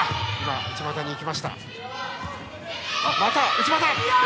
内股。